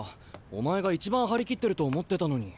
お前が一番張り切ってると思ってたのに。